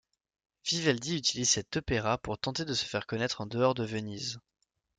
Vivaldi utilise cet opéra pour tenter de se faire connaître en dehors de Venise.